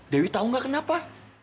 dewi tau gak kenapa